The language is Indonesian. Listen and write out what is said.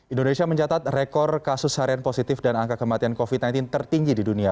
indonesia mencatat rekor kasus harian positif dan angka kematian covid sembilan belas tertinggi di dunia